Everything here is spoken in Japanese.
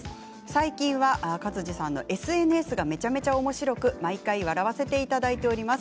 最近は勝地さんのＳＮＳがめちゃめちゃおもしろくて毎回、笑わせていただいています。